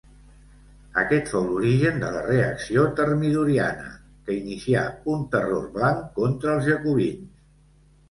Aquest fou l'origen de la reacció termidoriana, que inicià un Terror Blanc contra els jacobins.